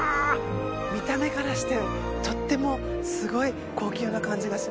見た目からしてとってもすごい高級な感じがします。